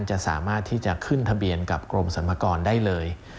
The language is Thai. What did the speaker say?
จะสามารถที่จะขึ้นทะเบียนกับกรมสรรพากรได้เลย